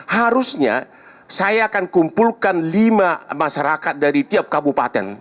harusnya saya akan kumpulkan lima masyarakat dari tiap kabupaten